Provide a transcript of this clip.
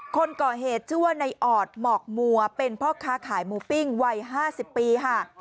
คนก่อเหตุชื่อว่าในออดหมอกมัวเป็นพ่อค้าขายหมูปิ้งวัย๕๐ปีค่ะ